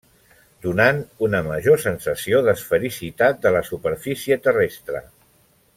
Donant una major sensació d'esfericitat de la superfície terrestre.